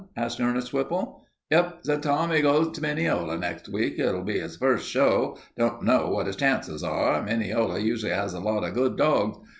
asked Ernest Whipple. "Yep," said Tom. "'E goes to Mineola next week. It'll be his first show. I don't know what his chances are. Mineola usually has a lot of good dogs.